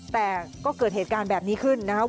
แต่ก็เกิดเหตุการณ์แบบนี้ขึ้นนะครับ